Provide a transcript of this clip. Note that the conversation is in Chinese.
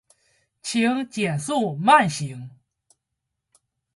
请减速慢行